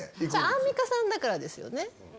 アンミカさんだからですよね？